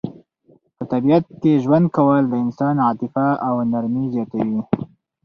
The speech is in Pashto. په طبیعت کې ژوند کول د انسان عاطفه او نرمي زیاتوي.